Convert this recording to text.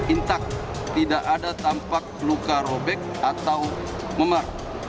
intak tidak ada tampak luka robek atau memak